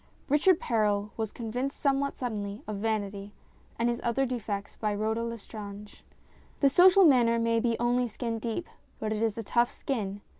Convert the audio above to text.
Richard Perral was convinced somewhat suddenly of vanity and his other defects by Rhoda Lestrange. The social manner may be only skin deep, but it is a tough skin.